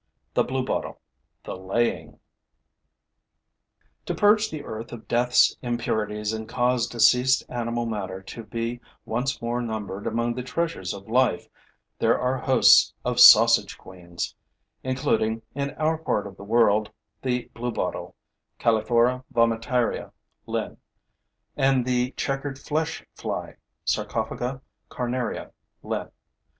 THE BLUEBOTTLE: THE LAYING To purge the earth of death's impurities and cause deceased animal matter to be once more numbered among the treasures of life there are hosts of sausage queens, including, in our part of the world, the bluebottle (Calliphora vomitaria, LIN.) and the checkered flesh fly (Sarcophaga carnaria, LIN.).